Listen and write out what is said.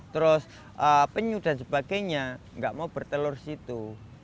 terus penyu dan sebagainya enggak mau bertelur di situ